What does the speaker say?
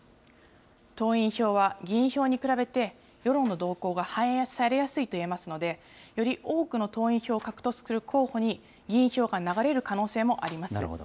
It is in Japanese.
党員票は議員票に比べて世論の動向が反映されやすいと言えますので、より多くの党員票を獲得する候補に、議員票が流れる可能性もあります。